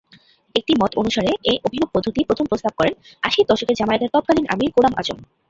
একটি মত অনুসারে এ অভিনব পদ্ধতি প্রথম প্রস্তাব করেন আশির দশকে জামায়াতের তৎকালীন আমির গোলাম আযম।